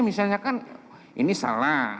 misalnya kan ini salah